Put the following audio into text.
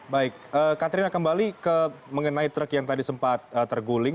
baik katrina kembali mengenai truk yang tadi sempat terguling